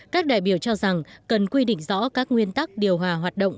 các đại biểu cho rằng cần quy định rõ các nguyên tắc điều hòa hoạt động